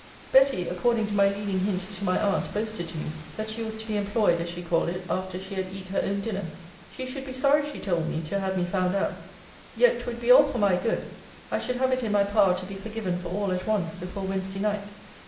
Betty, according to my leading hint to my aunt, boasted to me, that she was to be employed, as she called it, after she had eat her own dinner. She should be sorry, she told me, to have me found out. Yet 'twould be all for my good. I should have it in my power to be forgiven for all at once, before Wednesday night.